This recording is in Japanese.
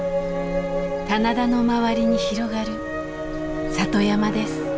棚田の周りに広がる里山です。